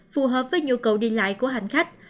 phù hợp với nhu cầu đi lại của hành khách